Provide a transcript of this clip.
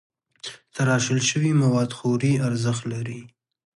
تراشل شوي مواد خوري ارزښت لري.